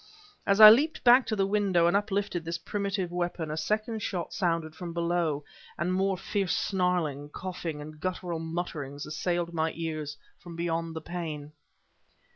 As I leaped back to the window and uplifted this primitive weapon, a second shot sounded from below, and more fierce snarling, coughing, and guttural mutterings assailed my ears from beyond the pane.